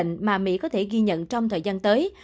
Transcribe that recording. hoặc số bệnh mà mỹ có thể ghi nhận trong thời gian tới